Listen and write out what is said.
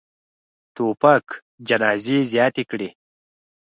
توپک جنازې زیاتې کړي.